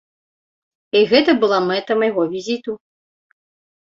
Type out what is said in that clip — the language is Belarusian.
І гэта была мэта майго візіту.